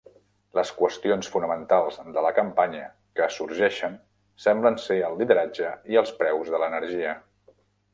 Les qüestions fonamentals de la campanya que sorgeixen semblen ser el lideratge i el preus de l'energia.